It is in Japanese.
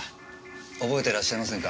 覚えてらっしゃいませんか？